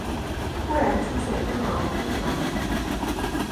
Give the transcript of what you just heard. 突然出现婴儿哭声